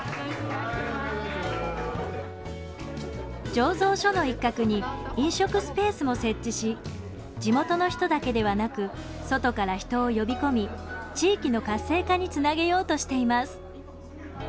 醸造所の一角に飲食スペースも設置し地元の人だけではなく外から人を呼び込み地域の活性化につなげようとしています。